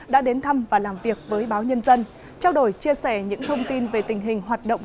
đã đến thăm và làm việc với báo nhân dân trao đổi chia sẻ những thông tin về tình hình hoạt động